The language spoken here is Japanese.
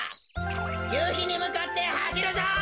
ゆうひにむかってはしるぞ！